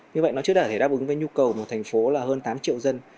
như vậy nó chưa đạt thể đáp ứng với nhu cầu một thành phố là hơn tám triệu dân